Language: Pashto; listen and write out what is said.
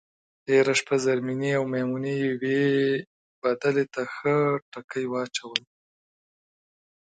تېره شپه زرمېنې او میمونې یوې بدلې ته ښه ټکي واچول.